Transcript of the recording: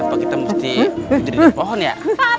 kenapa kita mesti tidur di atas pohon ya